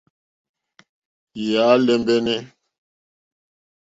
Yà á !lɛ́mbɛ́nɛ́.